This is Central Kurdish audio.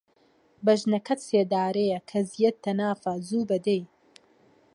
بەژنەکەت سێدارەیە، کەزیەت تەنافە زووبە دەی